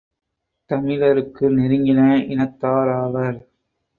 தமிழருக்கு நெருங்கின இனத்தாராவர்